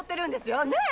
ねえ！